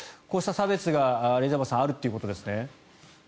こうした差別が、レジャバさんあるということですね。